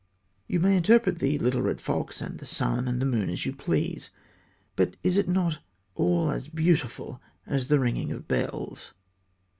You may interpret the little red fox and the sun and the moon as you please, but is it not all as beautiful as the ringing of bells?